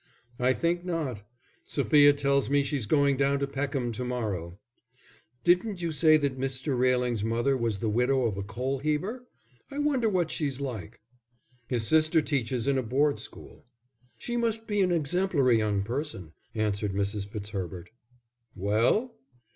"I think not. Sophia tells me she's going down to Peckham to morrow." "Didn't you say that Mr. Railing's mother was the widow of a coal heaver? I wonder what she's like." "His sister teaches in a Board School." "She must be an exemplary young person," answered Mrs. Fitzherbert. "Well?"